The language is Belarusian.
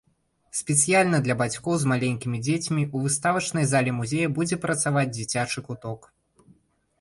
Спецыяльна для бацькоў з маленькімі дзецьмі, у выставачнай зале музея будзе працаваць дзіцячы куток.